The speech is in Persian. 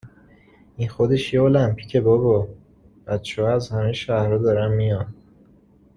این خودش یه المپیکه بابا! بچهها از همهی شهرها دارن میان